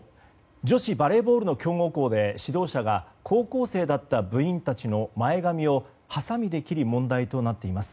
女子バレーボールの強豪校で指導者が高校生だった部員たちの前髪をはさみで切り問題となっています。